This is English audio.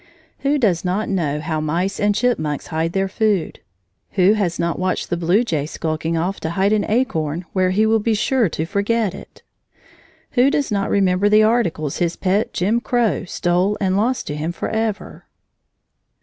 Who does not know how mice and chipmunks hide their food? Who has not watched the blue jay skulking off to hide an acorn where he will be sure to forget it? Who does not remember the articles his pet Jim Crow stole and lost to him forever?